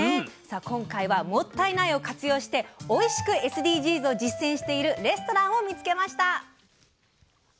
今回は「もったいない！を活用」しておいしくＳＤＧｓを実践しているレストランを見つけました。